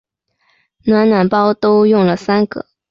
暖暖包都用了三个